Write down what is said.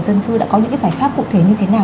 về dân thư đã có những giải pháp cụ thể như thế nào